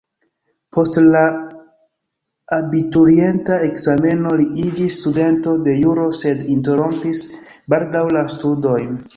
Post la abiturienta ekzameno li iĝis studento de juro sed interrompis baldaŭ la studojn.